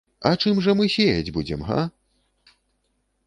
А чым жа мы сеяць будзем? га?